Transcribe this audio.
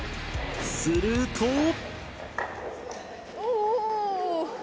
すると。